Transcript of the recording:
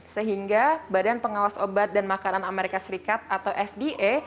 sehingga badan pengawas obat dan makanan amerika serikat atau fda